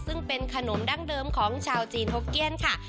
ซึ่งเป็นขนมดั้งเดิมของชาวจีนฮกเกี้ยนค่ะ